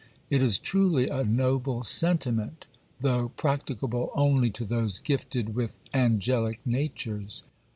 it is truly a noble sentiment, though practicable only to those gifted with angelic natures.